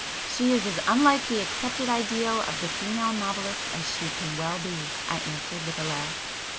"She is as unlike the accepted ideal of the female novelist as she can well be," I answered, with a laugh.